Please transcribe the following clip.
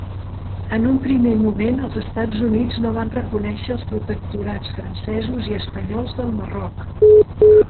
En un primer moment els Estats Units no van reconèixer els protectorats francesos i espanyols del Marroc.